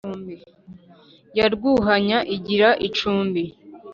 ya rwuhanya igira icumbi.